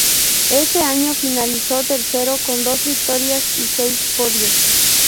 Ese año finalizó tercero con dos victorias y seis podios.